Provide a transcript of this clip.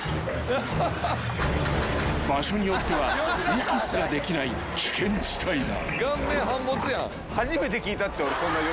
［場所によっては息すらできない危険地帯だ］